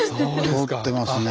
通ってますね。